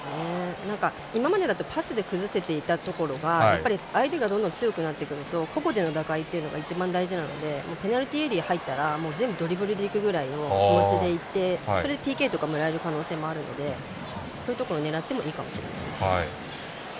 今までだとパスで崩せてたのがやっぱり相手が強くなってくると個々での打開っていうのが一番大事なのでペナルティーエリアに入ったら全部ドリブルでいくぐらいの気持ちでいってＰＫもらえる可能性もあるのでそういうところを狙ってもいいかもしれないですね。